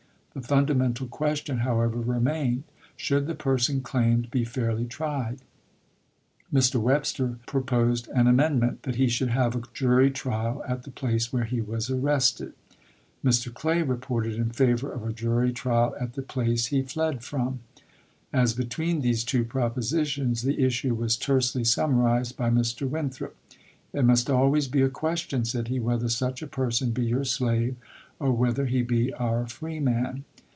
The fundamental question, however, remained. Should the person claimed be fairly tried? Mr. Webster proposed an amend ment, that he should have a jury trial at the place « Giobe," where he was arrested. Mr. Clay reported in favor Jup.emi850' of a jury trial at the place he fled from. As be Ma™fi85o, tween these two propositions the issue was tersely p< 946, summarized by Mr. Winthrop: "It must always be a question," said he, "whether such a person be your slave, or whether he be our freeman.